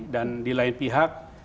dan di lain pihak